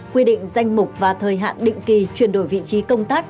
quy định danh mục và thời hạn định kỳ chuyển đổi vị trí công tác